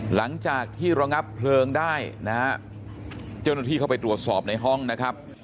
หลังจากที่ระงับเพลิงได้นะฮะเจ้าหน้าที่เข้าไปตรวจสอบในห้องนะครับ